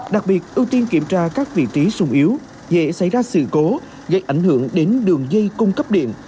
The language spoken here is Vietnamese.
đặc biệt ưu tiên kiểm tra các vị trí sung yếu dễ xảy ra sự cố gây ảnh hưởng đến đường dây cung cấp điện